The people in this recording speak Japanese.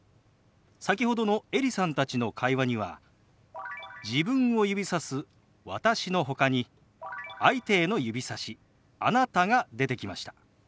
先ほどのエリさんたちの会話には自分を指さす「私」のほかに相手への指さし「あなた」が出てきました。